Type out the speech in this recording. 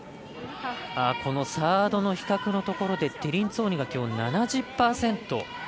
サードの比較のところでティリンツォーニがきょう、７０％。